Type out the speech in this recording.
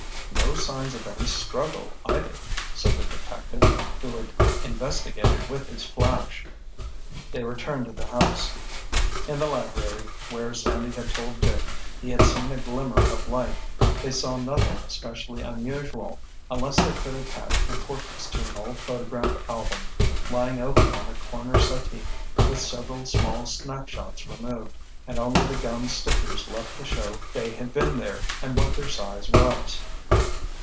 "No signs of any struggle either," said the detective who had investigated with his flash. They returned to the house. In the library, where Sandy had told Dick he had seen a glimmer of light, they saw nothing especially unusual, unless they could attach importance to an old photograph album, lying open on a corner settee with several small snapshots removed and only the gummed stickers left to show they had been there and what their size was.